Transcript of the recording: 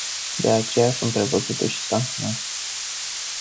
De aceea sunt prevăzute și sancțiuni.